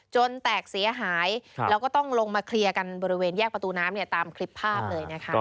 แตกเสียหายแล้วก็ต้องลงมาเคลียร์กันบริเวณแยกประตูน้ำเนี่ยตามคลิปภาพเลยนะคะ